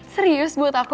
serius buat aku